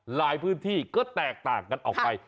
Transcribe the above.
หลายพื้นที่ก็แตกต่างกันออกไป